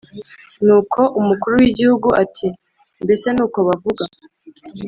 nuko umukuru w'igihugu ati "mbese ni uko bavuga?